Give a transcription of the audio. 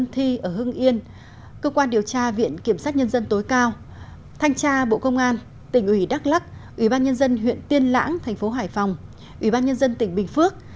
thanh tra bộ công an tỉnh ủy đắk lắc ủy ban nhân dân huyện tiên lãng thành phố hải phòng ủy ban nhân dân tỉnh bình phước